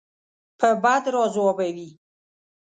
په بد راځوابوي.